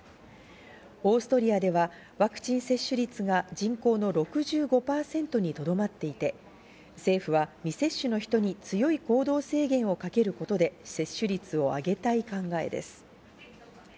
オーストリアではワクチン接種率が人口の６５％にとどまっていて、政府は未接種の人に強い行動制限をかけることで接種率を上げたい考えです。